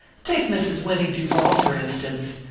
Take Mrs. Winnie Duval, for instance.